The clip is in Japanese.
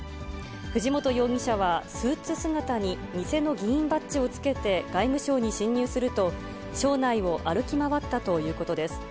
藤本容疑者はスーツ姿に偽の議員バッジを着けて外務省に侵入すると、省内を歩き回ったということです。